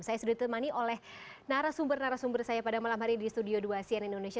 saya sudah ditemani oleh narasumber narasumber saya pada malam hari di studio dua cnn indonesia